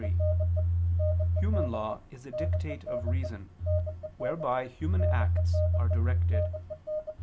3), human law is a dictate of reason, whereby human acts are directed.